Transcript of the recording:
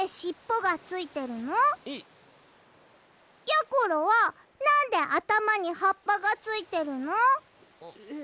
やころはなんであたまにはっぱがついてるの？え。